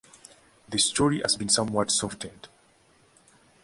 The story has been somewhat softened.